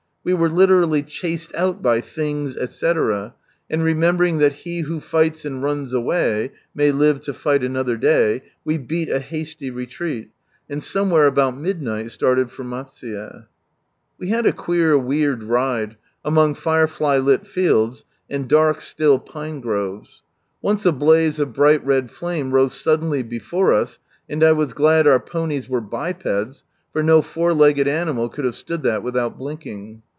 We were literally chased out by " things," etc., and remembering that " he who fights and runs away may live to fight another day," we beat a hasty retreat, and somewhere about midnight started for Matsuye. We had a queer weird ride, among tirefly lit fields, and dark still pine groves. Once a blaze of bright red flame rose suddenly before us, and I was glad our ponies e bipeds, for no four legged animal could have stood that without blinking.